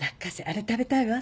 あれ食べたいわ。